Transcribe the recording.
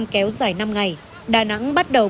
kéo dài năm ngày đà nẵng bắt đầu